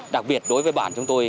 đặc biệt đối với bản chúng tôi